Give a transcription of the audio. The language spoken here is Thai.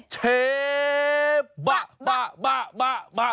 เชฟบะบะบะบะบะ